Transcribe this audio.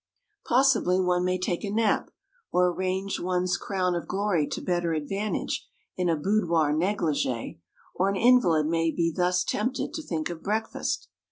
Possibly one may take a nap, or arrange one's crown of glory to better advantage in a "boudoir négligée," or an invalid may be thus tempted to think of breakfast.